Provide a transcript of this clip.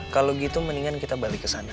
kalau gitu mendingan kita balik ke sana